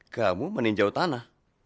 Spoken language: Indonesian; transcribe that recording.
kamu meninjau tanah